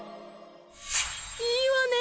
いいわね。